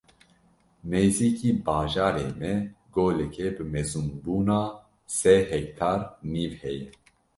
Nêzîkî bajarê me goleke bi mezinbûna sê hektar nîv heye.